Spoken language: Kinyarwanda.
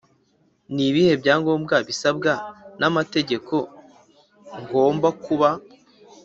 Ni ibihe byangombwa bisabwa n amategeko ngomba kuba